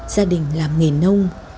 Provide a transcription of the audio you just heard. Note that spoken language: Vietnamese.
gia đình làm nghề nông